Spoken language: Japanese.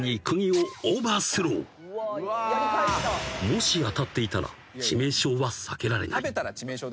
［もし当たっていたら致命傷は避けられない］